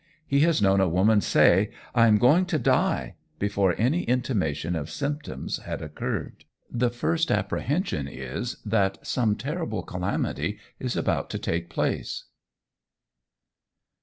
He has known a woman say, "I am going to die" before any intimation of symptoms had occurred. The first apprehension is, that some terrible calamity is about to take place.